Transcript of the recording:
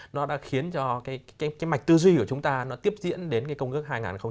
nó đã khiến cho cái mạch tư duy của chúng ta nó tiếp diễn đến cái công ước hai nghìn hai mươi